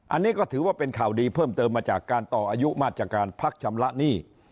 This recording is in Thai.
อันนี้ก็ถือว่าเป็นข่าวดีเพิ่มเติมมาจากการต่ออายุมาตรการพักชำระหนี้